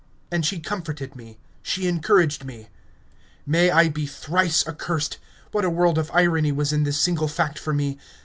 And she comforted me... She encouraged me. May I be thrice accursed! What a world of irony was in this single fact for me!